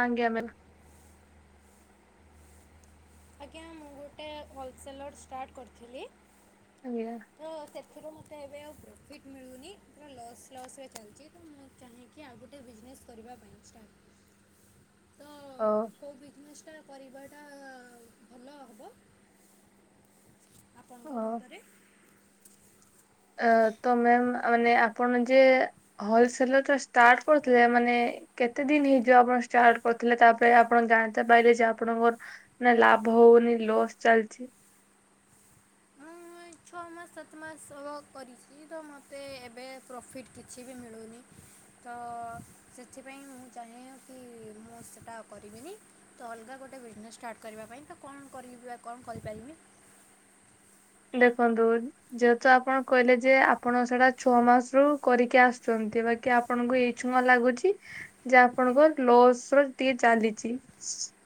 ଆଜ୍ଞା ମ୍ୟାମ୍। ଆଜ୍ଞା ମୁଁ ଗୋଟେ ହୋଲସେଲର୍ ଷ୍ଟାର୍ଟ କରଥିଲି ଆଜ୍ଞା। ତ ସେଥିରୁ ମତେ ଏବେ ଆଉ ପ୍ରଫିଟ୍ ମିଳୁନି ଲସ୍ ଲସ୍ ରେ ଚାଲିଚି ତ କାହିଁକି ଆଉ ଗୋଟେ ବିଜନେସ୍ କରିବା ପାଇଁ ଷ୍ଟାର୍ଟ ତ ଅ- କଉ ବିଜନେସ୍ ଟା କରିବାଟା ଭଲ ହବ ଆପଣଙ୍କ ହଉ ମତରେ। ଆ- ତମେ ମା -ମାନେ ଆପଣ ଯେ ହୋଲସେଲର ଟା ଷ୍ଟାର୍ଟ କରୁଥିଲେ ମାନେ ଏ କେତେ ଦିନ୍ ହେଇଯିବ ଆପଣ ଷ୍ଟାର୍ଟ କରଥିଲେ ତାପରେ ଆପଣ ଜାଣତେ ପାଇଲେ ଯେ ଆପଣଙ୍କର ନା ଲାଭ ହଉନି ଲସ୍ ଚାଲିଚି। ମୁଁ ଏଇ ଛଅ ମାସ ସାତ ମାସ ହବ କରିଚ଼ି। [unintelligible] ତ ମତେ ଏବେ ପ୍ରଫିଟ୍ କିଛି ବି ମିଳୁନି। ତ ସେଥିପାଇଁ ମୁଁ ଚାହେଁ କି ମୁଁ ସେଟା ଆଉ କରିବିନି। ତ ଅଲଗା ଗୋଟେ ବିଜନେସ୍ ଷ୍ଟାର୍ଟ କରିବା ପାଇଁ ତ କଣ କରିବା କଣ କରିପାରିବି। ଦେଖନ୍ତୁ ଯେହେତୁ ଆପଣ କହିଲେ ଯେ ଆପଣ ସେଟା ଛଅ ମାସରୁୁ କରିକି ଆସୁଚନ୍ତି ବାକି ଆପ୍ ଆପଣଙ୍କୁ ଏଇ ଛୁଆଁ ଲାଗୁଚି ଯେ ଆପଣଙ୍କ ଲସ୍ ର ଟିକେ ଚାଲିଚି।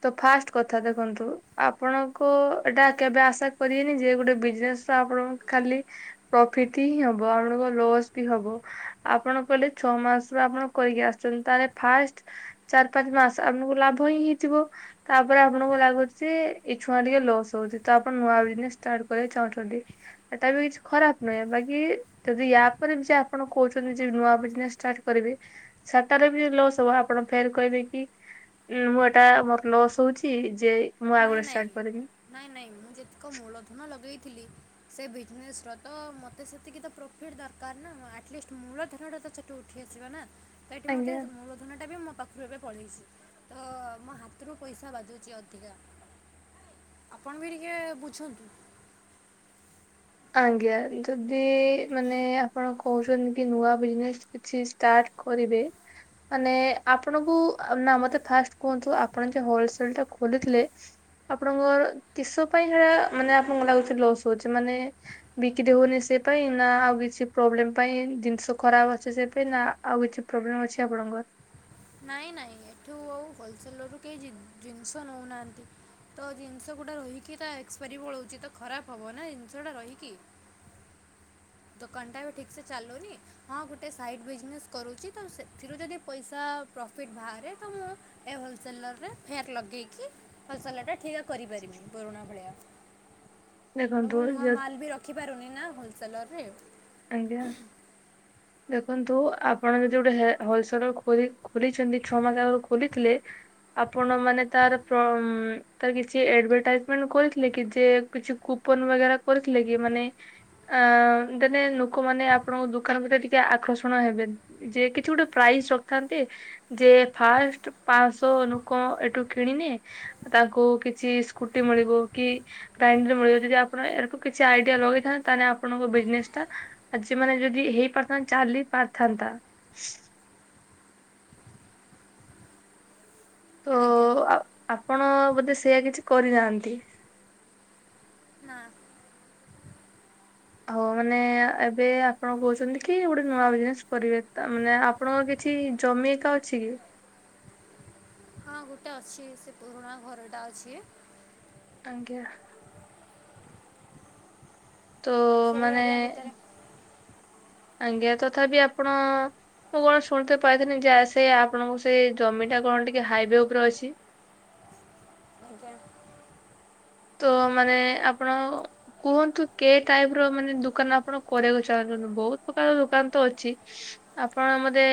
ତ ଫାଷ୍ଟ୍ କଥା ଦେଖନ୍ତୁ ଆପଣଙ୍କୁ ଏଟା କେବେ ଆଶା କରିବେନି ଯେ ଗୋଟେ ବିଜ୍ ନେସ୍ ଆପଣଙ୍କୁ ଖାଲି ପ୍ରଫିଟ୍ ହିଁ ହବ ଆପଣଙ୍କ ଲସ୍ ବି ହବ। ଆପଣ କହିଲେ ଛଅ ମାସରୁ ଆପଣ କରିକି ଆସୁଚନ୍ତି ତାହେଲେ ଫାଷ୍ଟ୍ ଚାରି ପାଞ୍ଚ୍ ମାସ୍ ଆପଣଙ୍କୁ ଲାଭ ହିଁ ହେଇଥିବ। ତାପରେ ଆପଣଙ୍କୁ ଲାଗୁଚି ଏ ଛୁଆଁ ଟିକେ ଲସ୍ ହଉଚି ତ ଆପଣ ନୂଆ ବିଜନେସ୍ ଷ୍ଟାର୍ଟ କରିବାକୁ ଚାହୁଁ ଚନ୍ତି ହେଟା ବି କିଛି ଖରାପ୍ ନୁଏ ବାକି ଯଦି ୟା ପରେ ବି ଯେ ଆପଣ କହୁଚନ୍ତି ଯେ ନୂଆ ବିଜ୍ନେସ୍ ଷ୍ଟାର୍ଟ କରିବି ସେଟାରେ ବି ଲସ୍ ହବ ଆପଣ ଫେର୍ କହିବେ କି ଉଁ- ମୁଁ ଏଟା ମୋର୍ ଲସ୍ ହଉଚି ଯେ ମୁଁ ଆଉ ନାଇଁ ଗୋଟେ ନାଇଁ ଷ୍ଟାର୍ଟ କରିବି -ନାଇଁ ନାଇଁ ମୁଁ ଯେତିକ ମୂଳଧନ ଲଗେଇଥିଲି ସେ ବିଜ୍ନେସ୍ ର ତ ମୋତେ ସେତିକି ତ ପ୍ରଫିଟ୍ ଦରକାର୍ ନା ଆଟଲିଷ୍ଟ୍ ମୂଳ ଧନଟା ତ ସେଠୁ ଉଠୁ ଉଠି ଯିବ ନା ସେଇଠି ମତେ ଆଜ୍ଞା। ମୂଳଧନ ଟା ବି ମୋ ପାଖ ରୁ ଏବେ ପଳେଇଚି ତ ମୋ ହାତରୁ ପଇସା ବାଜୁଚି ଅଧିକା। ଆପଣ ବି ଟିକେ ବୁଝନ୍ତୁ। ଆଜ୍ଞା ଯଦି ମାନେ ଆପଣ କହୁଛନ୍ତି କି ନୂଆ ବିଜନେସ୍ କିଛି ଷ୍ଟାର୍ଟ କରିବେ। ମାନେ ଆପଣଙ୍କୁ ନା ମତେ ଫାଷ୍ଟ କୁହନ୍ତୁ ଆପଣ ଯେ ହୋଲସେଲ ଟା ଖୋଲିଥିଲେ ଆପଣଙ୍କର କିସ ପାଇଁ ସେଟା ମାନେ ଆପଣଙ୍କୁ ଲାଗୁଚି ସେଟି ଲସ୍ ହଉଚି ମାନେ ବିକିତେ ହଉନି ସେ ପାଇଁ ନା ଆଉ କିଛି ପ୍ରୋବ୍ଲେମ ପାଇଁ ଜିନିଷ ଖରାପ ଅଛି ସେଇଥିପେଇଁ ନା ଆଉ କିଛି ପ୍ରୋବ୍ଲେମ ଅଛି ଆପଣଙ୍କର? ନାଇଁ ନାଇଁ ଏଠୁ ଆଉ ହୋଲସେଲରୁ କେହି ଜି ଜିନିଷ ନଉନାହାଁନ୍ତି। ତ ଜିନିଷ ଗୁଡା ରହିକି ତା ଏକ୍ସପାରି ପଳଉଚି ତ ଖରାପ ହବ ନା ଜିନିଷ ଉଡା ରହିକି। ଦୋକାନଟା ଏବେ ଠିକ୍ ସେ ଚାଲୁନି। ହଁ ଗୁଟେ ସାଇଟ୍ ବିଜନେସ୍ କରୁଚି ତ ସେଥିରୁ ଯଦି ପଇସା ପ୍ରଫିଟ୍ ବାହାରେ ତ ମୁଁ ଏ ହୋଲସେଲର ରେ ଫେଫ୍ ଲଗେଇକି ହୋଲସେଲର ଟା ଠିଆ କରିପାରମି ପୁରୁଣା ଭଳିଆ। ମୁଁ ଦେଖନ୍ତୁ ନୂଆ ଯ ମାଲ୍ ବି ରଖିପାରୁନି ନା ହୋଲସେଲରରେ। ଆଜ୍ଞା ଦେଖନ୍ତୁ ଆପଣ ଯଦି ଗୋଟେ ହେ ହୋଲସେଲର ଖୋଲି ଖୋଲିଛନ୍ତି ଛଅ ମାସ ଆଗରୁ ଖୋଲିଥିଲେ ଆପଣ ମାନେ ତାର ପ୍ର ଉଁ ତାର କିଛି ଏଡଭଟାଇଜମେଣ୍ଟ କରିଥିଲେ କି ଯେ କିଛି କୁପନ ବାଗେରା କରିଥିଲେ କି ମାନେ ଆଁ ଦେନେ ନୋକମାନେ ଆପଣଙ୍କ ଦୋକାନ ଭିଟେ ଟିକେ ଆକର୍ଷଣ ହେବେ। ଯେ କିଛି ଗୋଟେ ପ୍ରାଇଜ ରଖିଥାନ୍ତେ ଯେ ଫାଷ୍ଟ ପାଆଁଶ ନୁକ ଏଠୁ କିଣିନେ ତାଙ୍କୁ କିଛି ସ୍କୁଟି ମିଳିବ କି ଗ୍ରାଇଣ୍ଡର ମିଳିବ ଯଦି ଆପଣ ଏକୁ କିଛି ଆଇଡିଆ ଲଗେଇଥା ତାହେଲେ ଆପଣଙ୍କ ବିଜନେସ୍ ଟା ଆଜି ମାନେ ଯଦି ହେଇପାରିଥାନ୍ତା ଚାଲି ପାରିଥାନ୍ତା। ତ ଆଜ୍ଞା ଆ ଆପଣ ବୋଧେ ସେୟା କିଛି କରିନାହାଁନ୍ତି। ନା। ଆଉ ମାନେ ଏବେ ଆପଣ କହୁଛନ୍ତି କି ଗୋଟେ ନୂଆ ବିଜନେସ୍ କରିବେ ତା ମାନେ ଆପ ଆପଣଙ୍କ କିଛି ଜମିି ଏକା ଅଛି କି? ହଁ ଗୁଟେ ଅଛି ସେ ପୁରୁଣା ଘରଟା ଅଛି। ଆଜ୍ଞା। ତ ସେଇ ମାନେ ଏରିଆ ଭିତରେ ଆଜ୍ଞା ତଥାପି ଆପଣ ମୁଁ କଣ ଶୁଣିଥେ ପାଇଥିନି ଯେ ସେ ଆପଣଙ୍କୁ ସେ ଜମିଟା କଣ ଟିକେ ହାଇୱେ ଉପରେ ଅଛି। ଆଜ୍ଞା। ତ ମାନେ ଆପଣ କୁହନ୍ତୁ କେ ଟାଇପର ମାନେ ଦୁକାନ ଆପଣ କରିଆକୁ ଚାହୁଁଛନ୍ତି ବହୁତ ପ୍ରକାର ଦୋକାନ ତ ଅଛି। ଆପଣ ମତେ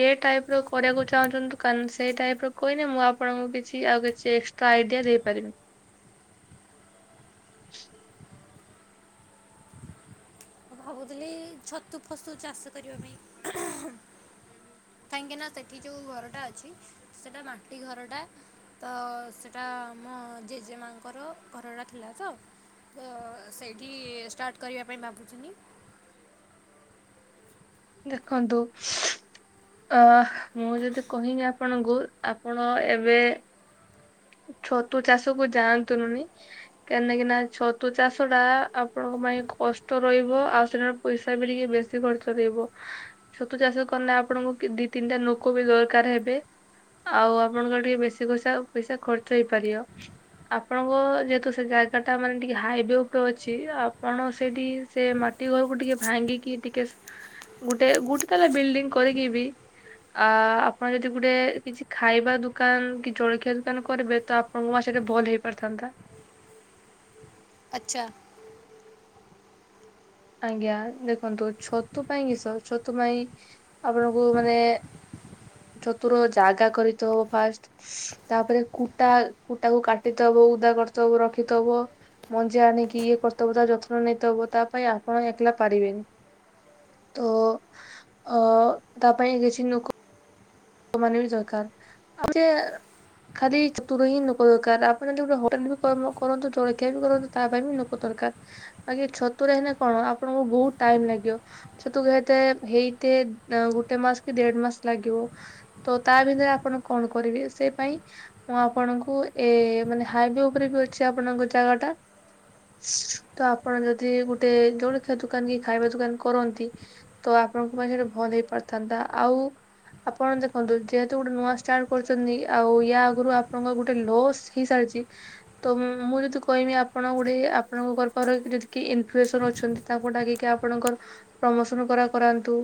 କେ ଟାଇପର କରିଆକୁ ଚାହୁଁଛନ୍ତି ଦୋକାନ ସେଇ ଟାଇପର କହିନେ ମୁଁ ଆପଣଙ୍କୁ କିଛି ଆଉ କିଛି ଏ ତ ଆଇଡିଆ ଦେଇପାରିବି। ମୁଁ ଭାବୁଥିଲି ଛତୁ ଫସୁ ଚାଷ କରିବା ପାଇଁ। କାହିଁକି ନା ସେଠି ଯୋଉ ଘରଟା ଅଛି ସେଟା ମାଟି ଘରଟା। ତ ସେଇଟା ଆମ ଜେଜେ ମାଙ୍କର ଘରଟା ଥିଲା ତ ତ ସେଇଠି ଷ୍ଟାର୍ଟ କରିବା ପାଇଁ ଭାବୁଥିନି। ଦେଖନ୍ତୁ ଅ ମୁଁ ଯଦି କହିମି ଆପଣଙ୍କୁ ଆପଣ ଏବେ ଛତୁ ଚାଷ କୁ ଯାଆନ୍ତୁନୁନି। କାନିକିନା ଛତୁ ଚାଷଟା ଆପଣଙ୍କ ପାଇଁ କଷ୍ଟ ରହିବ ଆଉ ସେଠ ପଇସା ବି ଟିକେ ବେଶୀ ଖର୍ଚ୍ଚ ରହିବ। ଛତୁ ଚାଷ କଲେେ ଆପଣଙ୍କୁ ଦି ତିନିଟା ନୋକ ବି ଦରକାର ହେବେ। ଆଉ ଆପଣଙ୍କର ଟିକେ ବେଶୀ ପଇସା ପଇସା ଖର୍ଚ୍ଚ ହେଇପାରିବ। ଆପଣଙ୍କ ଯେହେତୁ ସେ ଜାଗାଟା ମାନେ ଟିକେ ହାଇୱେ ଉପରେ ଅଛି ଆପଣ ସେଇଟି ସେ ମା ଟି ଘରକୁ ଟିକେ ଭାଙ୍ଗିକି ଟିକେ ଗୁଟେ ଗୁଟେ ତାଲା ବିଲିଡ଼ିଂ କରିକି ବି ଆ ଆପଣ ଯଦି ଗୋଟେ କିଛି ଖାଇବା ଦୋକାନ କି ଜଳଖିଆ ଦୋକାନ କରିବେ ତ [unintelligible] ଭଲ ହେଇପାରିଥାନ୍ତା। ଆଚ୍ଛା। ଆଜ୍ଞା ଦେଖନ୍ତୁ ଛତୁ ପାଇଁ କିଷ ଛତୁ ପାଇଁ ଆପଣଙ୍କୁ ମାନେ ଚତୁର ଜାଗା କରି ତ ହବ ଫାଷ୍ଟ [unintelligible] ତାପରେ କୁଟା କୁଟାକୁ କାଟିଦବ ଉଦା କରିଦବ ରଖିଥବ [unintelligible] ମଞ୍ଜିା ଆଣିକି ଇଏ କରିଥବ ତା ଯତ୍ନ ନେଇଥବ ତା ପାଇଁ ଆ [unintelligible] ଆପଣ ଏକଲା ପାରିବେନି ତ ଅ ତା ପାଇଁ କିଛି ଲୋକ [unintelligible] ଲୋକ ମାନେ ବି ଦରକାର [unintelligible] ଖାଲି ତୁର ହିଁ ନ ଦରକାର ଆପଣ ଯଦି ଗୋଟେ ହୋଟେଲ ବି କରନ୍ତୁ ଜଳଖିଆ ବି କରନ୍ତୁ [unintelligible] ତା ପାଇଁ ବି ଲୋକ ଦରକାର ବାକି ଛତୁରେ ହେଲେ କଣ ଆପଣଙ୍କୁ ବୋହୁତ ଟାଇମ୍ ଲାଗିବ। ଛତୁ ହେଇଥେ ହେଇତେ ଗୋଟେ ମାସ କି ଦେଢ ମାସ ଲାଗିବ। [unintelligible] ତ ତା ଭିତରେ ଆପଣ କଣ କରିବେ ସେ ପାଇଁ ମୁଁ ଆପଣଙ୍କୁ ଏ ମାନେ ହାଇୱେ ଉପରେ ବି ଅଛି। ଆପଣଙ୍କ ଜାଗା ଟା। ତ ଆପଣ ଯଦି ଗୋଟେ ଜଳଖିଆ ଦୋକାନ କି ଖାଇବା ଦୋକାନ କରନ୍ତି। ତ ଆପଣଙ୍କ ପାଇଁ ସେଇଟା ଭଲ ହେଇପାରିଥାନ୍ତା ଆଉ ଆପଣ ଦେଖନ୍ତୁ ଯେହେତୁ ଗୋଟେ ନୂଆ ଷ୍ଟାର୍ଟ କରିଚନ୍ତି, ଆଉ ୟା ଆଗରୁ ଆପଣଙ୍କ ଗୋଟେ ଲସ୍ ହେଇସାରିଚି। ତ ମୁଁ ଯଦି କହିବି ଆପଣ ଗୋଟେ ଆପଣଙ୍କ ପାଖରେ ଯଦି ଇନଫୁଏସର ଅଛନ୍ତି। ତାକୁ ଡାକିକି ଆପଣଙ୍କର ପ୍ରମୋସନ କରା କରାନ୍ତୁ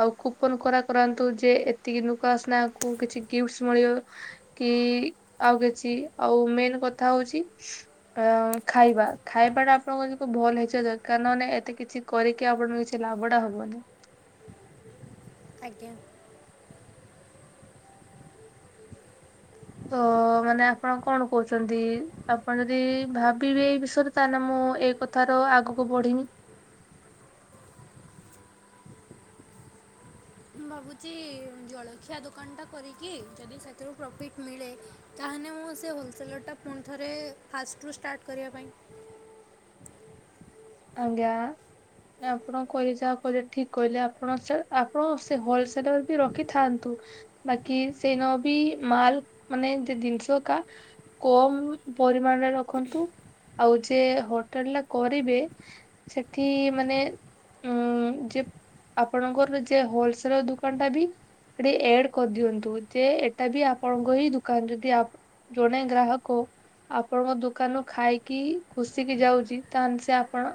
ଆଉ କୁପନ କରା କରାନ୍ତୁ। ଯେ ଏତିକି ନୋକ ଆସିନେ ଆକୁ କିଛି ଗିଫ୍ଟସ୍ ମିଳିବ। କି ଆଉ କିଛି ଆଉ ମେନ୍ କଥା ହୋଉଚି। ଆ ଖାଇବା ଖାଇବା ଟା ଆପଣଙ୍କ ଯଦି ଭଲ ହେଇଥିବା ଦରକାର ନହାନେ ଏତେ କିଛି କରିକି ଆପଣଙ୍କ କିଛି ଲାଭ ଟା ହବନି। ଆଜ୍ଞା‌‌। ତ ହ ମାନେ ଆପଣ କଣ କୋହୁଚନ୍ତି ଆପଣ ଯଦି ଭାବିବେ ଏଇ ବିଷୟରେ ତାହେଲେ ମୁଁ ଏଇ କ ଥାର ଆଗକୁ ବଢିିମି। ମୁଁ ଭାବୁଚି ଜଳଖିଆ ଦୋକାନଟା କରିକି ଯଦି ସେଥିରୁ ପ୍ରଫିଟ୍ ମିଳେ। ତାହେନେ ମୁଁ ସେ ହୋଲସେଲରର୍ଟା ପୁଣି ଥରେ ଫାଷ୍ଟରୁ ଷ୍ଟାର୍ଟ କରିବା ପାଇଁ ଆଜ୍ଞା। ଆପଣ କହିଲେ ଯାହା କହିଲେ ଠିଟକ୍ କହିଲେ ଆପଣ ସେ ଆପଣ ସେ ହୋଲସେଲର ବି ରଖିଥାନ୍ତୁ। ବାକି ସେଇଦିନବି ମାଲ ମାନେ ଜି-ଜିନିଷ କା କମ ପରିମାଣରେ ରଖନ୍ତୁ ଆଉ ଯେ ହୋଟେଲ ଟା କରିବେ ସେଠି ମାନେ ଉଁ ଯେ ଆପଣଙ୍କର ଯେ ହୋଲସେଲର ଦୋକାନ ଟା ବି ଏଠି ଏଡ କରିଦିଅନ୍ତୁ ଯେ ଏଟା ବି ଆପଣଙ୍କ ହିଁ ଦୋକାନ ଯଦି ଆ ଜଣେ ଗ୍ରାହକ ଆପଣଙ୍କ ଦୋକାନରୁୁ ଖାଇକି ଖୁସିିକି ଯାଉଚି ତାହେନେ ସେ ଆ ପଣ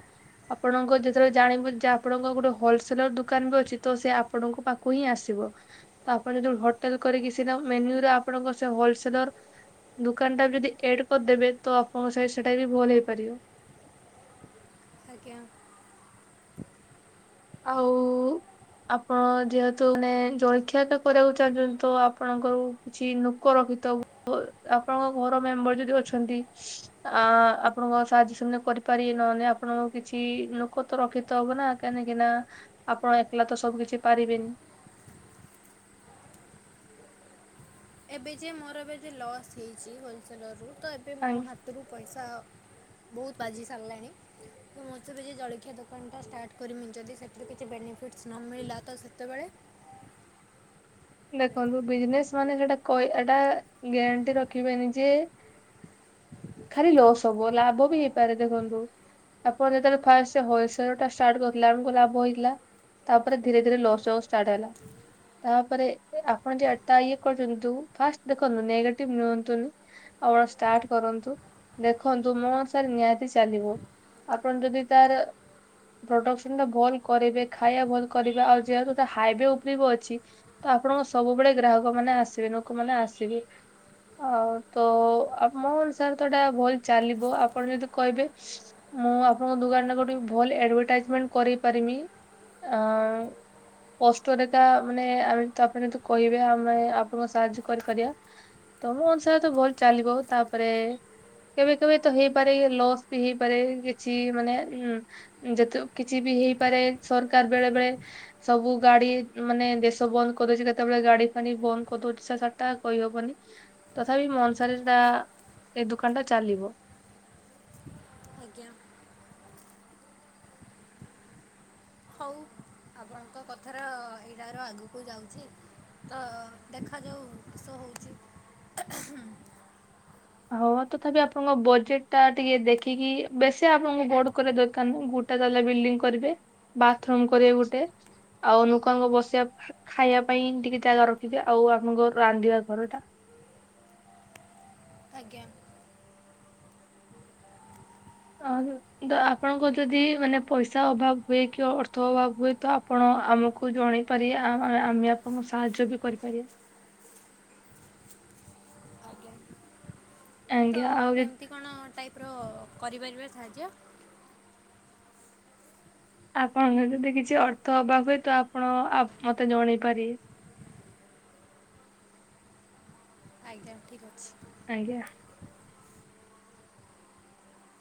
ଆପଣଙ୍କ ଯେତେବେଳେ ଜାଣିବ ଯେ ଆପଣଙ୍କ ଗୋଟେ ହୋଲସେଲର ଦୋକାନ ବି ଅଛି ତ ସେ ଆପଣଙ୍କ ପାଖକୁ ହିଁ ଆସିବ। ତ ଆପଣ ଯଦି ହୋଟସେଲ କରିକି ସିଲ ମେନ୍ୟୁରେ ଆପଣଙ୍କ ସେ ହୋଲସେଲର ଦୋକାନ ଟା ଯଦି ଏଡ୍ କରିଦେବେ ତ ଆପଣଙ୍କ [unintelligible] ସେଟା ବି ଭଲ ହେଇପାରିବ। ଆଜ୍ଞା। ଆଉ ଆପଣ ଯେହେତୁ ମାନେ ଜଳଖିଆ ତ କରିବାକୁ ଚାହୁଁଚନ୍ତି ତ ଆପଣଙ୍କରୁ କିଛି ନୋକ ରଖିଥବ ଆପଣଙ୍କ ଘର ମେମ୍ବର ଯଦି ଅଛନ୍ତି। ଆ ଆପଣଙ୍କ ସାହାଯ୍ୟ ସେମାନେ କରିପାରିବ ନହେନେ ଆପଣଙ୍କୁ କିଛି ଲୋକତ ରଖିତେ ହବ ନା କାହିଁ କି ନା ଆପଣ ଏକଲା ତ ସବୁ କିଛି ପାରିବେନି। ଏବେ ଯାଏ ମୋର ଏବେ ଯୋଉ ଲସ୍ ହେଇଚି। ହୋଲସେଲରରୁ ତ ଏବେ ମୋ କାହିଁକି ହାତରୁ ପଇସା ବୋହୁତ ବାଜି ସାରିଲାଣି। [unintelligible] ଯୋଉ ଜଳଖିଆ ଦୋକାନଟା ଷ୍ଟାର୍ଟ କରିମି ଯଦି ସେଥିରୁ କିଛି ବେନିଫିଟସ୍ ନ ମିଳିଲା ତ ସେତେବେଳେ ଦେଖନ୍ତୁ ବିଜନେସ ମାନେ ସେଟା କଇ ଏଟା ଗ୍ୟାରେଣ୍ଟି ରଖିବେନି ଯେ ଖାଲି ଲସ୍ ସବୁ ହବ ଲାଭ ବି ହେଇପାରେ ଦେଖନ୍ତୁ। ଆପଣ ଯେତେବେଳେ ଫାଷ୍ଟ ହୋଲସଲଟା ଷ୍ଟାର୍ଟ କରିଥିଲେ ଆମକୁ ଲାଭ ହେଇଥିଲା। ତାପରେ ଧୀରେ ଧୀରେ ଲସ ହବା ଷ୍ଟାର୍ଟ ହେଲା ତାପରେ ଆପଣ ଯଟା ଇଏ କରୁନ୍ତୁ ଫାଷ୍ଟ ଦେଖନ୍ତୁ ନେଗେଟିଭ ନିଅନ୍ତୁନି। ଆପଣ ଷ୍ଟାର୍ଟ କରନ୍ତୁ ଦେଖନ୍ତୁ ମୋ ସାର୍ ନିହାତି ଚାଲିବ। ଆପଣ ଯଦି ତାର ପ୍ରଡକ୍ସନ ଟା ଭଲ କରିବେ ଖାଇବା ଭଲ କରିବେ ଆଉ ଯେହେତୁ ହାଇୱେ ଉପରେ ବି ଅଛି। ତ ଆପଣଙ୍କ ସବୁବେଳେ ଗ୍ରାହକ ମାନେ ଆସିବେ ଲୋକମାନେ ଆସିବେ। ଆଉ ତ [unintelligible] ଟା ଭଲ ଚାଲିବ ଆପଣ ଯଦି କହିବେ। ମୁଁ ଆପଣଙ୍କ ଦୋକାନରେ ଗୋଟେ ଭଲ ଆଡଭଟାଇଜମେଣ୍ଟ କରେଇ ପାରିମି। ଆ କଷ୍ଟରେଖା ମାନେ ଆମେ ତ ଆପଣ ଯତୁ କହିବେ ଆମେ ଆପଣଙ୍କ ସାହାଯ୍ୟ କରିପାରିବା। ତମ ଅନୁସାରେ ତ ଭଲ ଚାଲିବ ତାପରେ କେବେ କେବେ ତ ହେଇପାରେ ଲସ୍ ବି ହେଇପାରେ କିଛି ମାନେ ଉଁ ଯେତୁ କିଛି ବି ହେଇପାରେ ସରକାର ବେଳେ ବେଳେ ସବୁ ଗାଡି ମାନେ ଦେଶ ବନ୍ଦ କରିଦେଉଛି କେତେବେଳେ ଗାଡି ଫାଡି ବନ୍ଦ କରିଦଉଛି ସେ କଟା କହିହବନି। ତଥାପି ମନସାରଟା ଏଇ ଦୋକାନ ଟା ଚାଲିବ। ଆଜ୍ଞା। ହଉ ଆପଣଙ୍କ କଥାର ଏଇଟାର ଆଗକୁ ଯାଉଛି। ତ ଦେଖାଯାଉ କିଷ ହଉଛି। ହଉ ତଥାପି ଆପଣଙ୍କ ବଜେଟ ଟା ଟିକେ ଦେଖିକି ବେଶୀ ଆପଣଙ୍କୁ ବଡ କରିବା ଦରକାର ନାଁ ଗୋଟ ଟେ ତାଲା ବିଲ୍ଡିଂ କରିବେ ବାଥରୁମ କରିବେ ଗୋଟେ ଆଉ ଅନୁକଙ୍କ ବସିବା ଖାଇବା ପାଇଁ ଟିକେ ଜାଗା ରଖିଦ ଆଉ ଆମଙ୍କ ରାନ୍ଧିବା ଘର ଟା ଆଜ୍ଞା। [unintelligible] ତ ଆପଣଙ୍କ ଯଦି ମାନେ ପଇସା ଅଭାବ ହୁଏ କି ଅର୍ଥ ଅଭାବ ହୁଏ ତ ଆପଣ ଆମକୁ ଜଣେଇ ପାରିଆ ଆ-ଆମେ ଆପଣଙ୍କୁ ସାହାଯ୍ୟ ବି କରିପାରିବା। ଆଜ୍ଞା। ତ ଆଜ୍ଞା ଆଉ ଯଦି କେମିତି କଣ ଟାଇପ ର କରିପାରିବା ସାହାଯ୍ୟ। ଆପଣଙ୍କ ଯଦି କିଛି ଅର୍ଥ ହବା ହୁଏ ତ ଆପଣ ଆ ମତେ ଜଣେଇ ପାରିବେ ଆଜ୍ଞା ଠିକ୍ ଅଛି। ଆଜ୍ଞା।